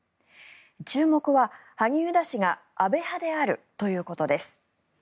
注目は萩生田氏が安倍派であるということです。